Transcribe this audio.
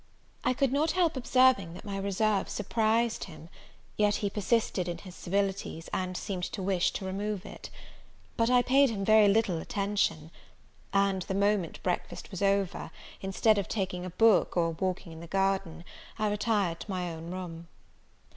I could not help observing that my reserve surprised him; yet he persisted in his civilities, and seemed to wish to remove it. But I paid him very little attention; and the moment breakfast was over, instead of taking a book, or walking in the garden, I retired to my own room.